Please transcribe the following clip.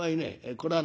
これはな